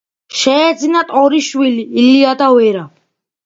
შეეძინათ ორი შვილი ილია და ვერა.